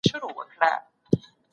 ګوره زما ګراني! زما د ژوند شاعري